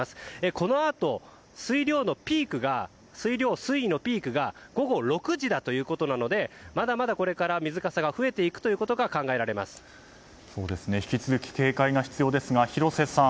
このあと、水量、水位のピークが午後６時だということなのでまだまだ、これから水かさが増えていくということが引き続き警戒が必要ですが広瀬さん